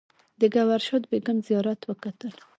د ګوهر شاد بیګم زیارت وکتل.